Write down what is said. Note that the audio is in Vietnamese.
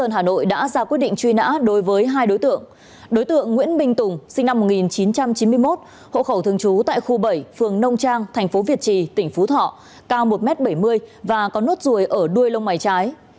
hậu khẩu thương chú tại khu bảy phường nông trang tp việt trì tỉnh phú thọ cao một m bảy mươi và có nốt ruồi ở đuôi lông mày trái